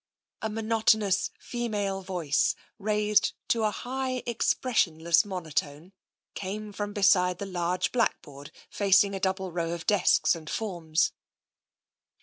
A monotonous female voice, raised to a high, ex i6 TENSION 17 pressionless monotone, came from beside the large blackboard facing a double row of desks and forms.